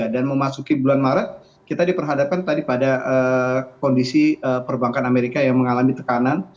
dan memasuki bulan maret kita diperhadapkan tadi pada kondisi perbankan amerika yang mengalami tekanan